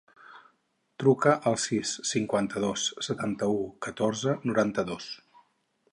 Truca al sis, cinquanta-dos, setanta-u, catorze, noranta-dos.